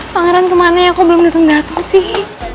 pangeran kemana ya kok belum dateng dateng sih